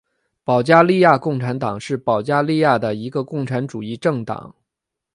保加利亚共产党是保加利亚的一个共产主义政党。